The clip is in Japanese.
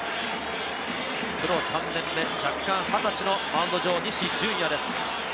プロ３年目、弱冠２０歳のマウンド上、西純矢です。